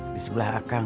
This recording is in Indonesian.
di sebelah akang